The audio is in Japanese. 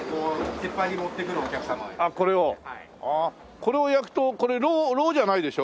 これを焼くとこれろうじゃないでしょ？